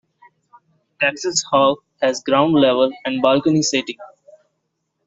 Texas Hall has ground level and balcony seating.